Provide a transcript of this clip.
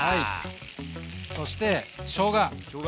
そしてしょうが。